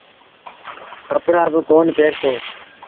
ڪپڙآ با ڪونا پهرتو۔